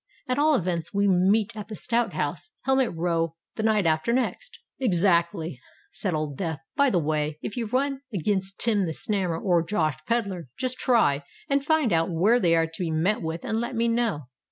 At all events we meet at the Stout House, Helmet Row, the night after next." "Exactly," said Old Death. "By the way, if you run against Tim the Snammer or Josh Pedler, just try and find out where they are to be met with, and let me know."